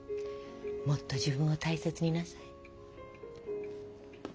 もっと自分を大切になさい。